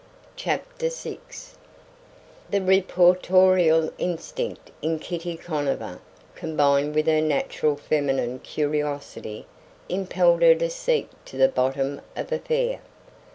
CHAPTER VI The reportorial instinct in Kitty Conover, combined with her natural feminine curiosity, impelled her to seek to the bottom of affair.